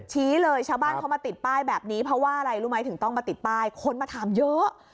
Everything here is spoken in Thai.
ชี้เลยชาวบ้านเขามาติดป้ายแบบนี้เพราะว่าอะไรรู้ไหมถึงต้องมาติดป้ายคนมาถามเยอะ